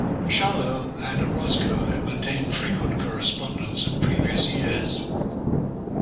Charlot and Orozco had maintained frequent correspondence in previous years.